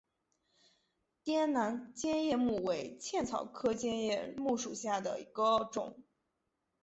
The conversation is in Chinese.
滇南尖叶木为茜草科尖叶木属下的一个种。